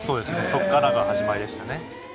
そこからが始まりでしたね。